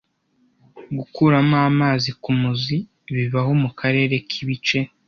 Gukuramo amazi kumuzi bibaho mukarere ki bice